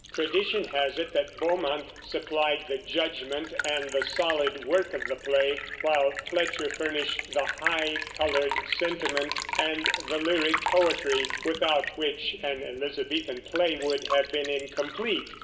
Tradition has it that Beaumont supplied the judgment and the solid work of the play, while Fletcher furnished the high colored sentiment and the lyric poetry, without which an Elizabethan play would have been incomplete.